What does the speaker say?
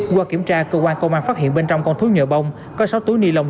qua kiểm tra cơ quan công an phát hiện bên trong con thú nhờ bông có sáu túi ni lông